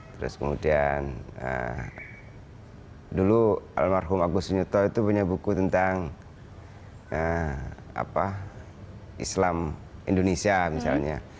terus kemudian dulu almarhum agus nyuto itu punya buku tentang islam indonesia misalnya